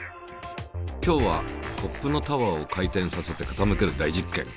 今日はコップのタワーを回転させてかたむける大実験。